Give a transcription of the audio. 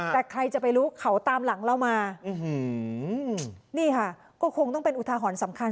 แต่ใครจะไปรู้เขาตามหลังเรามานี่ค่ะก็คงต้องเป็นอุทาหรณ์สำคัญ